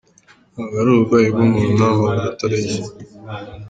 Ntabwo ari uburwayi bw’umuntu ni amaguru atareshya.